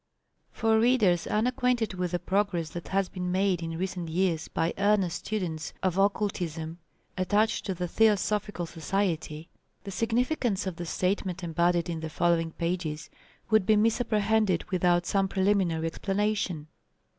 For readers unacquainted with the progress that has been made in recent years by earnest students of occultism attached to the Theosophical Society, the significance of the statement embodied in the following pages would be misapprehended without some preliminary explanation.